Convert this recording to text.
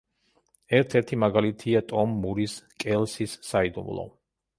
ერთ-ერთი მაგალითია ტომ მურის „კელსის საიდუმლო“.